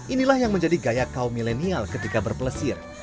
inilah yang menjadi gaya kaum milenial ketika berpelesir